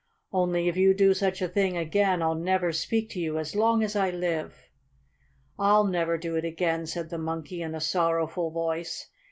"Only if you do such a thing again I'll never speak to you as long as I live!" "I'll never do it again," said the Monkey in a sorrowful voice.